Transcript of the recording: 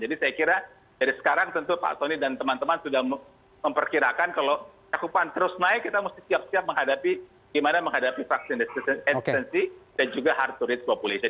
jadi saya kira dari sekarang tentu pak tony dan teman teman sudah memperkirakan kalau cakupan terus naik kita harus siap siap menghadapi vaksin hesitancy dan juga hard to reach